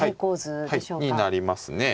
になりますね。